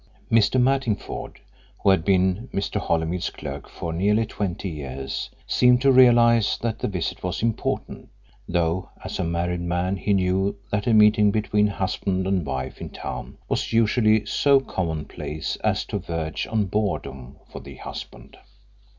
Mr. Mattingford, who had been Mr. Holymead's clerk for nearly twenty years, seemed to realise that the visit was important, though as a married man he knew that a meeting between husband and wife in town was usually so commonplace as to verge on boredom for the husband.